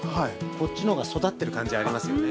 ◆こっちのほうが育ってる感じありますよね。